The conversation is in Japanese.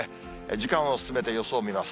時間を進めて、予想見ます。